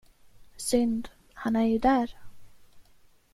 Synd, han är ju där.